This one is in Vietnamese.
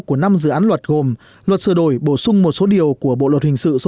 của năm dự án luật gồm luật sửa đổi bổ sung một số điều của bộ luật hình sự số một trăm linh